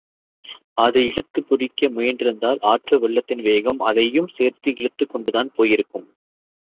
அது இழுத்துப் பிடிக்க முயன்றிருந்தால் ஆற்று வெள்ளத்தின் வேகம் அதையும் சேர்த்து இழுத்துக்கொண்டுதான் போயிருக்கும்.